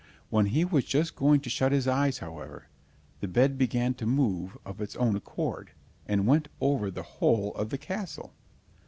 When he was just going to shut his eyes, however, the bed began to move of its own accord, and went over the whole of the castle.